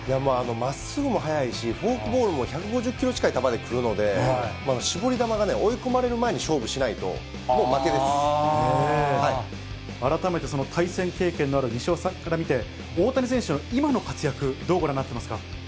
まっすぐも速いし、フォークボールも１５０キロ近い球で来るので、絞り球が追い込まれる前に勝負しないと、改めてその対戦経験のある西岡さんから見て、大谷選手の今の活躍、どうご覧になっていますか。